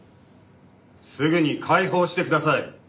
すぐに解放してください。